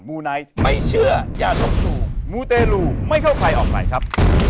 มูไนท์ไม่เชื่ออย่าลบหลู่มูเตรลูไม่เข้าใครออกไหนครับ